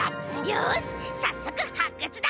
よしさっそくはっくつだ！